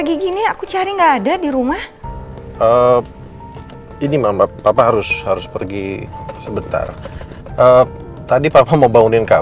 gak ada artinya